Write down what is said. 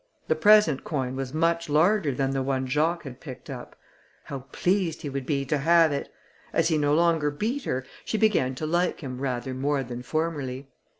The present coin was much larger than the one Jacques had picked up. How pleased he would be to have it! As he no longer beat her, she began to like him rather more than formerly.